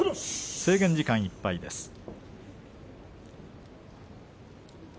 制限時間いっぱいです。